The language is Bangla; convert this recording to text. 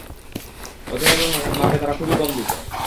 ওজনে এবং মাপে তারা খুবই কম দিত।